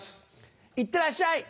いってらっしゃい！